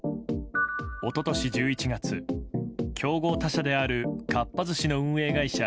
一昨年１１月、競合他社であるかっぱ寿司の運営会社